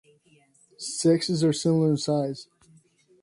Sexes are similar in size.